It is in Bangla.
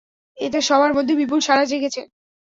এতে সবার মধ্যে বিপুল সাড়া জেগেছে।